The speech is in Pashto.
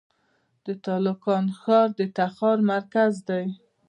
د تالقان ښار د تخار مرکز دی